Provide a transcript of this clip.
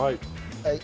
はい。